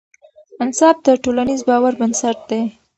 انصاف د ټولنیز باور بنسټ دی